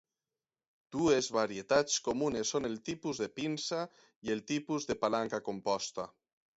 Dues varietats comunes són el tipus de pinça i el tipus de palanca composta.